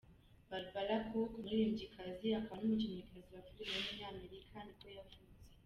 Barbara Cook, umuririmbyikazi akaba n’umukinnyikazi wa filime w’umunyamerika nibwo yavutse.